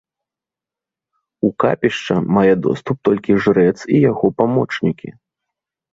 У капішча мае доступ толькі жрэц і яго памочнікі.